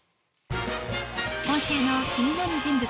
今週の気になる人物